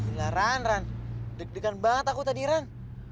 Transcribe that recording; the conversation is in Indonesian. gila ran ran deg degan banget aku tadi ran